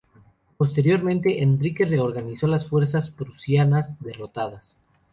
Posteriormente, Enrique reorganizó las fuerzas prusianas derrotadas.